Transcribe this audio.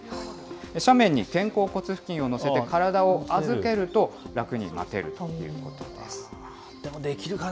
斜面に肩甲骨付近を乗せて体を預けると、楽に待てるということででも、できるかな？